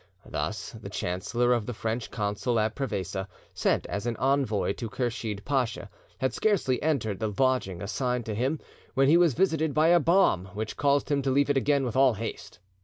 Thus the chancellor of the French Consul at Prevesa, sent as an envoy to Kursheed Pacha, had scarcely entered the lodging assigned to him, when he was visited by a bomb which caused him to leave it again with all haste.